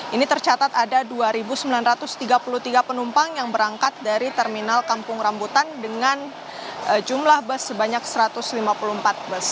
ini tercatat ada dua sembilan ratus tiga puluh tiga penumpang yang berangkat dari terminal kampung rambutan dengan jumlah bus sebanyak satu ratus lima puluh empat bus